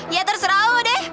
ya terserah lo deh